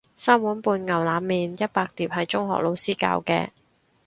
三碗半牛腩麵一百碟係中學老師教嘅